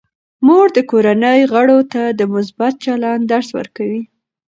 مور د کورنۍ غړو ته د مثبت چلند درس ورکوي.